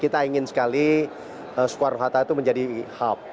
kita ingin sekali sukarohata itu menjadi hub